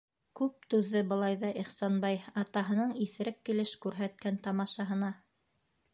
Күп түҙҙе былай ҙа Ихсанбай атаһының иҫерек килеш күрһәткән тамашаһына.